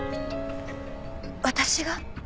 私が？